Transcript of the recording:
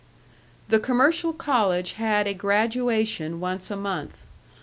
The commercial college had a graduation once a month.